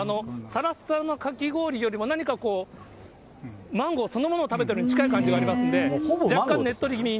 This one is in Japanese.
さらっさらのかき氷よりも、何かこう、マンゴーそのものを食べてるような、近い感じがありますので。